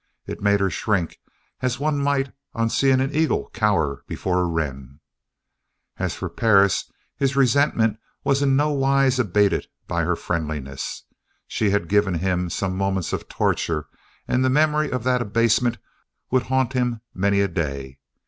It made her shrink as one might on seeing an eagle cower before a wren. As for Perris, his resentment was in no wise abated by her friendliness. She had given him some moments of torture and the memory of that abasement would haunt him many a day.